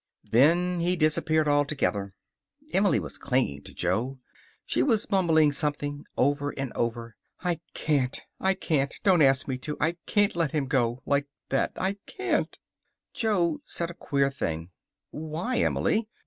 Then he disappeared altogether. Emily was clinging to Jo. She was mumbling something, over and over. "I can't. I can't. Don't ask me to. I can't let him go. Like that. I can't." Jo said a queer thing. "Why, Emily!